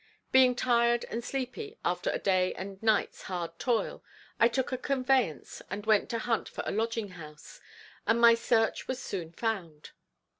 Being tired and sleepy after a day and night's hard toil, I took a conveyance and went to hunt for a lodging house, and my search was soon found.